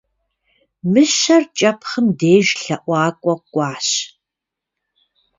Мыщэр кӀэпхъым деж лъэӀуакӀуэ кӀуащ.